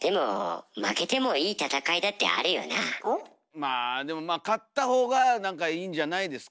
まあでもまあ勝った方が何かいいんじゃないですか？